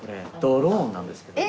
ドローンなんですけど。